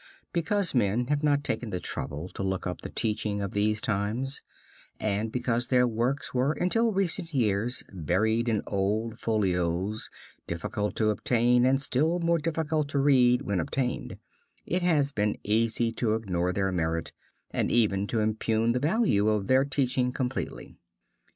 Because men have not taken the trouble to look up the teaching of these times, and because their works were until recent years buried in old folios, difficult to obtain and still more difficult to read when obtained, it has been easy to ignore their merit and even to impugn the value of their teaching completely.